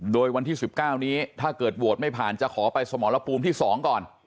โดยวันที่๑๙นี้ถ้าเกิดโหวตไม่ผ่านจะขอไปสมรภูมิที่๒ก่อน